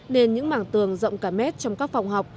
nên những mảng tường rộng cả mét trong các phòng học